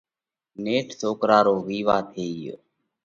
نيٺ سوڪرا رو وِيوا ٿيو۔